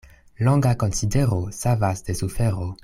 Longa konsidero savas de sufero.